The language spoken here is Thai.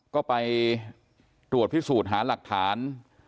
ก็ไปตรวจพิสูจน์หาหลักฐาน